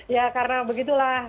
ya karena begitulah